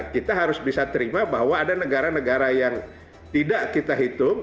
kita harus bisa terima bahwa ada negara negara yang tidak kita hitung